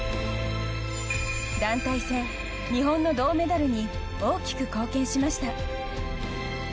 団体戦、日本の銅メダルに大きく貢献しました。